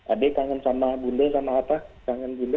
adik kangen sama bunda sama apa kangen bunda